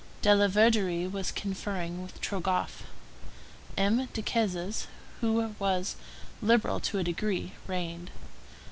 Delaverderie was conferring with Trogoff. M. Decazes, who was liberal to a degree, reigned.